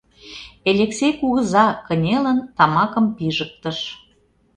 Элексей кугыза, кынелын, тамакым пижыктыш.